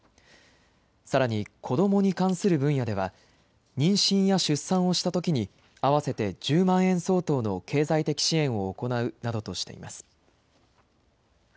さらに子どもに関する分野では、妊娠や出産をしたときに、合わせて１０万円相当の経済的支援を行うなどとしています。